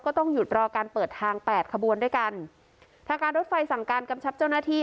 ต้องหยุดรอการเปิดทางแปดขบวนด้วยกันทางการรถไฟสั่งการกำชับเจ้าหน้าที่